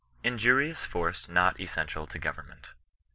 INJURtoUS FORCE NOT ESSENTIAL TO OOYERNUENT.